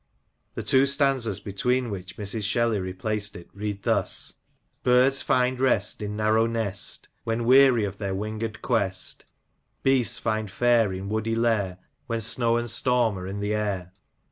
The two stanzas between which Mrs. Shelley replaced it read thus :—Birds find rest, in narrow nest When weary of their winged quest ; Beasts find fare, in woody lair When snow and storm are in the air.